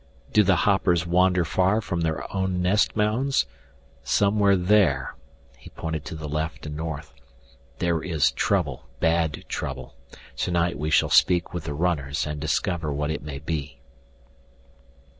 "Do the hoppers wander far from their own nest mounds? Somewhere there " he pointed to the left and north, "there is trouble, bad trouble. Tonight we shall speak with the runners and discover what it may be."